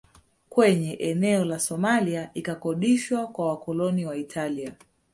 Kwenye eneo la Somalia ikakodishwa kwa wakoloni wa Italia